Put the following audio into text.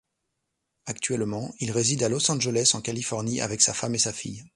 Actuellement, il réside à Los Angeles, en Californie, avec sa femme et sa fille.